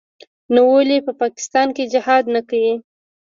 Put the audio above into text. نو ولې په پاکستان کښې جهاد نه کيي.